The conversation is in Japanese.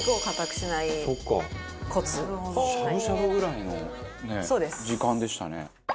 しゃぶしゃぶぐらいの時間でしたね。